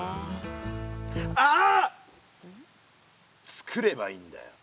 つくればいいんだよ。